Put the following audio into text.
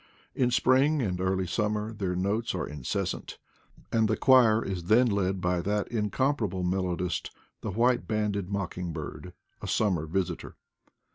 In spring and early summer their notes are inces sant; and the choir is then led^By that incompara ble melodist, the white banded mocking bird, a summer visitor.